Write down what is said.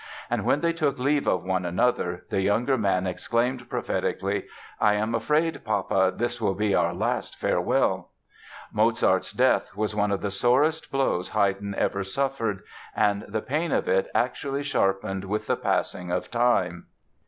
And when they took leave of one another the younger man exclaimed prophetically: "I am afraid, Papa, this will be our last farewell." Mozart's death was one of the sorest blows Haydn ever suffered, and the pain of it actually sharpened with the passing of time.